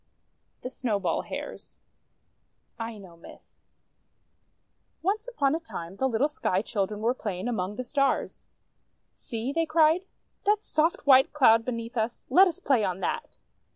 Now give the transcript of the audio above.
THE SNOWBALL HARES Aino Myth ONCE upon a time, the little Sky Children were playing among the Stars. "See," they cried, "that soft, white Cloud beneath us! Let us play on that!